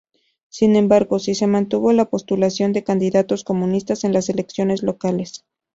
Sin embargo, sí se mantuvo la postulación de candidatos comunistas en las elecciones locales.